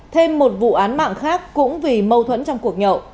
thêm một vụ án mạng khác cũng vì mâu thuẫn trong cuộc nhậu